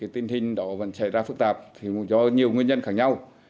tình hình đó vẫn xảy ra phức tạp do nhiều nguyên nhân khác nhau